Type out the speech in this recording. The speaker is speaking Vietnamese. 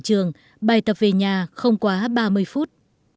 trường bài tập về nhà không quá ba mươi phút